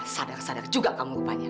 sadar sadar juga kamu rupanya